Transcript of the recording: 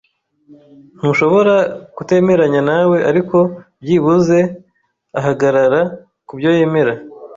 Ntushobora kutemeranya nawe, ariko byibuze ahagarara kubyo yemera.